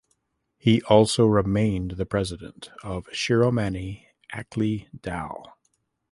He also remained the President of Shiromani Akali Dal.